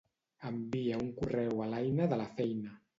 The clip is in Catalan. Envia un correu a l'Aina de la feina.